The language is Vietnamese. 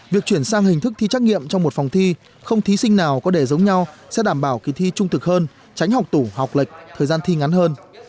việc chuyển sang hình thức thi trắc nghiệm trong một phòng thi không thí sinh nào có đề giống nhau sẽ đảm bảo kỳ thi trung thực hơn tránh học tủ học lệch thời gian thi ngắn hơn